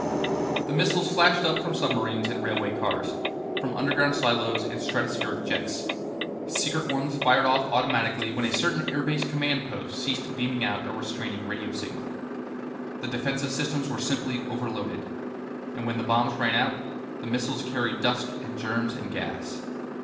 The missiles flashed up from submarines and railway cars, from underground silos and stratospheric jets; secret ones fired off automatically when a certain airbase command post ceased beaming out a restraining radio signal. The defensive systems were simply overloaded. And when the bombs ran out, the missiles carried dust and germs and gas.